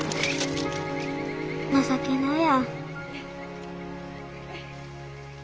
情けなや。